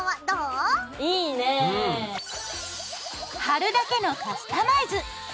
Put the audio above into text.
貼るだけのカスタマイズ！